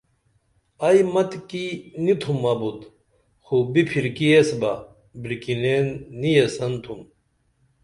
ائی متکی نی تُھم ابُت خو بِپھرکی ایس بہ بریکنین نی یسن تُھم